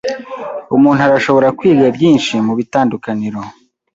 Umuntu arashobora kwiga byinshi mubitandukaniro